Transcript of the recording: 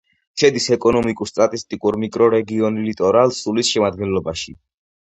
შედის ეკონომიკურ-სტატისტიკურ მიკრორეგიონ ლიტორალ-სულის შემადგენლობაში.